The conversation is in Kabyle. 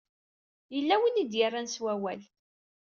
Yella win i d-yerran s wawal.